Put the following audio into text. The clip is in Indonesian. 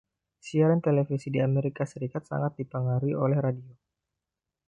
Siaran televisi di Amerika Serikat sangat dipengaruhi oleh radio.